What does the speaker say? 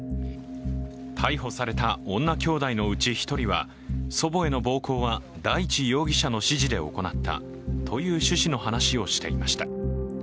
逮捕された女きょうだいのうち１人は、祖母への暴行は大地容疑者の指示で行ったという趣旨の話をしていました。